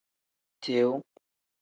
Tiu.